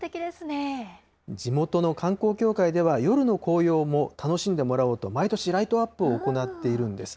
地元の観光協会では、夜の紅葉も楽しんでもらおうと、毎年、ライトアップを行っているんです。